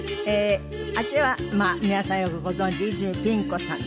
あちらはまあ皆さんよくご存じ泉ピン子さん。